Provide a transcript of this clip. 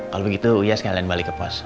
kalau begitu iya sekalian balik ke pos